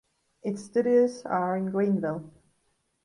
Its studios are in Greenville.